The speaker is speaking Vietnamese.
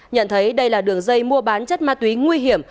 nhận thấy đây là đường dây mua bán chất ma túy nguy hiểm